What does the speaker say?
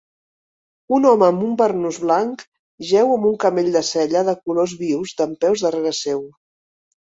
Un home amb un barnús blanc jeu amb un camell de sella de colors vius dempeus darrere seu.